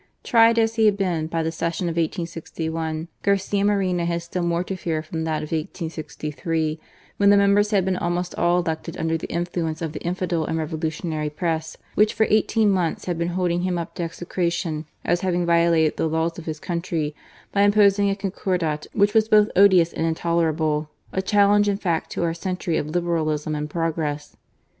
Tried as he had been by the session of 1861, Garcia Moreno had still more to fear from that of 1863, when the members had been almost all elected under thc^ influence of the infidel and Revolutionary Press, which for eighteen months had been holding him up to execration as having violated the laws of his country by imposing a Concordat which was both odious and intolerable — a challenge in fact to our century of Liberalism and progress.